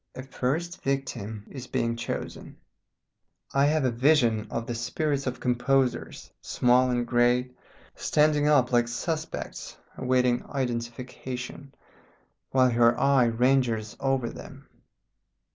A first victim is being chosen. I have a vision of the spirits of composers small and great standing up like suspects awaiting identification, while her eye ranges over them.